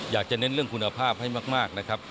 อยากจะเน้นเรื่องคุณภาพให้มากนะครับ